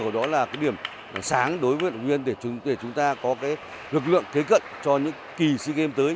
đó là điểm sáng đối với vận động viên để chúng ta có lực lượng thế cận cho những kỳ sea games tới